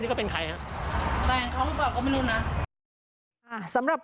ที่นี่มีปัญหา